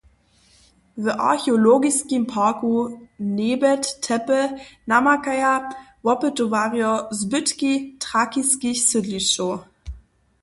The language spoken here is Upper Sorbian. W archeologiskim parku Nebet tepe namakaja wopytowarjo zbytki trakiskich sydlišćow.